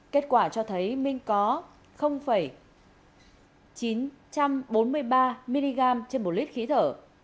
kết quả cho thấy minh có chín trăm bốn mươi ba mg trên một lít khí thở